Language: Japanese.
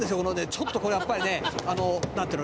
「ちょっとやっぱりねなんていうの」